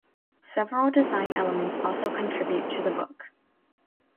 Several design elements also contribute to the book.